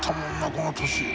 この年。